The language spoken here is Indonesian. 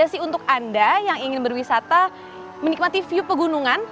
terima kasih untuk anda yang ingin berwisata menikmati view pegunungan